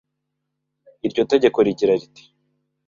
Iryo tegeko Rigira riti